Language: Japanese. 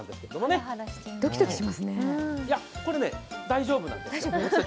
これね、大丈夫なんですよ。